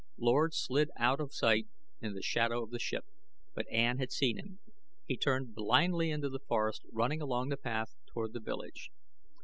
Lord slid out of sight in the shadow of the ship, but Ann had seen him. He turned blindly into the forest, running along the path toward the village.